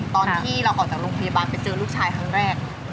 ตอนที่เราออกจากโรงพยาบาลไปเจอลูกชายครั้งแรก